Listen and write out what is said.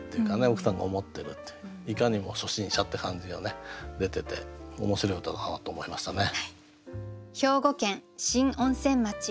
奥さんが思ってるっていういかにも初心者って感じが出てて面白い歌だなと思いましたね。